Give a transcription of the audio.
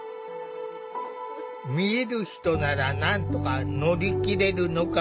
見える人ならなんとか乗り切れるのかもしれない。